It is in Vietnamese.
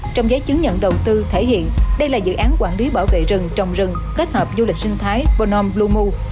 trong giấy chứng nhận đầu tư thể hiện đây là dự án quản lý bảo vệ rừng trồng rừng kết hợp du lịch sinh thái bonhomme blue moon